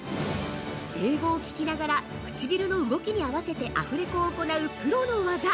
◆英語を聞きながら、唇の動きに合わせてアフレコを行うプロの技